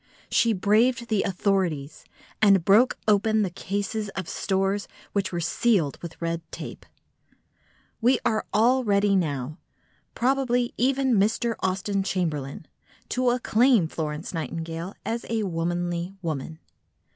She braved the authorities, and broke open the cases of stores which were sealed with red tape. We are all ready now—probably even Mr. Austen Chamberlain—to acclaim Florence Nightingale as a womanly woman.